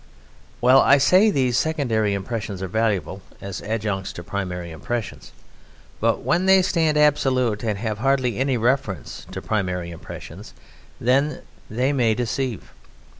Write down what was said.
Well, I say, these secondary impressions are valuable as adjuncts to primary impressions. But when they stand absolute and have hardly any reference to primary impressions, then they may deceive.